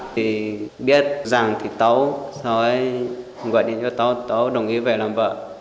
thì biết rằng thì tấu sau ấy gọi điện cho tấu tấu đồng ý về làm vợ